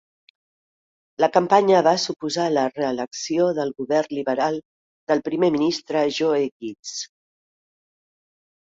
La campanya va suposar la reelecció del govern liberal del primer ministre Joe Ghiz.